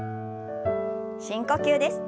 深呼吸です。